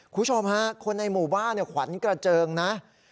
คุณผู้ชมฮะคนในหมู่บ้านขวัญกระเจิงนะ